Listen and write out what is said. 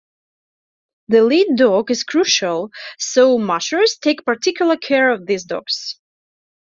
The lead dog is crucial, so mushers take particular care of these dogs.